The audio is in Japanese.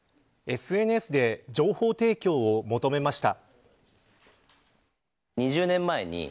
ＳＮＳで情報提供を求めました。